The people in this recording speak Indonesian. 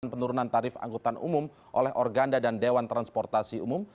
penurunan tarif angkutan umum oleh organda dan dewan transportasi umum